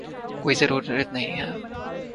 کوئی ضرورت نہیں ہے